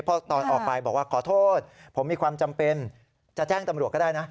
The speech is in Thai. เพราะตอนออกไปบอกว่าขอโทษผมมีความจำเป็นจะแจ้งตำรวจก็ได้นะ